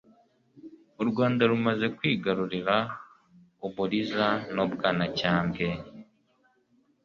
U Rwanda rumaze kwigarurira u Buliza n'u Bwanacyambwe,